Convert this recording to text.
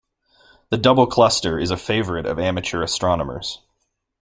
The Double Cluster is a favorite of amateur astronomers.